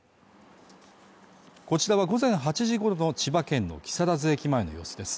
こちらは午前８時ごろの千葉県の木更津駅前の様子です